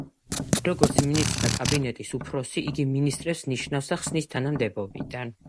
როგორც მინისტრთა კაბინეტის უფროსი, იგი მინისტრებს ნიშნავს და ხსნის თანამდებობიდან.